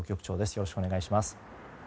よろしくお願いします。